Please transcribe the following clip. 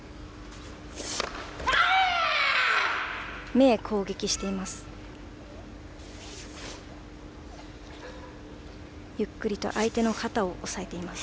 目へ攻撃しています。